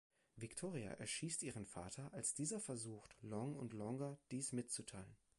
Victoria erschießt ihren Vater, als dieser versucht, Long und Longer dies mitzuteilen.